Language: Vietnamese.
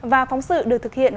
và phóng sự được thực hiện